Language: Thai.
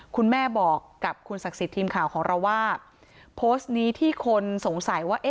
คุณแม่บอกกับคุณศักดิ์สิทธิ์ทีมข่าวของเราว่าโพสต์นี้ที่คนสงสัยว่า